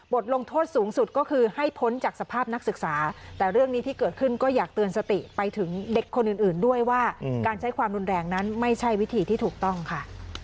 ลงโทษสูงสุดก็คือให้พ้นจากสภาพนักศึกษาแต่เรื่องนี้ที่เกิดขึ้นก็อยากเตือนสติไปถึงเด็กคนอื่นด้วยว่าการใช้ความรุนแรงนั้นไม่ใช่วิธีที่ถูกต้องค่ะ